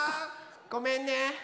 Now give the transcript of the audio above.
ごめんね。